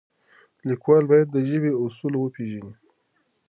لیکوال باید د ژبې اصول وپیژني.